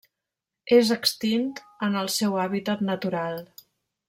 És extint en el seu hàbitat natural.